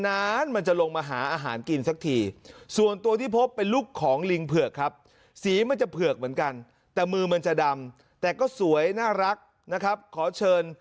นั้นมันจะลงมาหาอาหารกินซักที